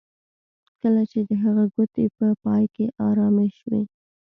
کله چې د هغه ګوتې په پای کې ارامې شوې